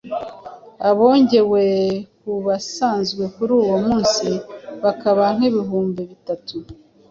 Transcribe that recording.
abongewe ku basanzwe kuri uwo munsi baba nk’ibihumbi bitatu.